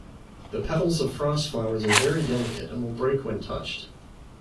The petals of frost flowers are very delicate and will break when touched.